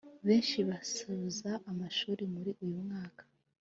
benshi basasoza amashuri muri uyu mwaka